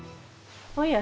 おや。